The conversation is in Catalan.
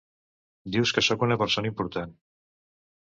Dius que sóc una persona important.